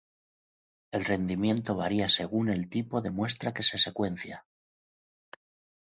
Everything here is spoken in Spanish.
El rendimiento varía según el tipo de muestra que se secuencia.